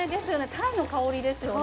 タイの香りですよね